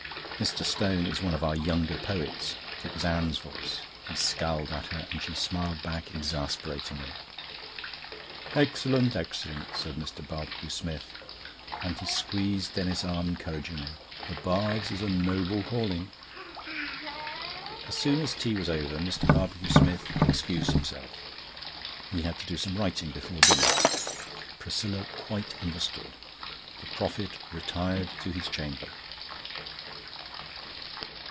"Mr. Stone is one of our younger poets." It was Anne's voice. He scowled at her, and she smiled back exasperatingly. "Excellent, excellent," said Mr. Barbecue Smith, and he squeezed Denis's arm encouragingly. "The Bard's is a noble calling." As soon as tea was over Mr. Barbecue Smith excused himself; he had to do some writing before dinner. Priscilla quite understood. The prophet retired to his chamber.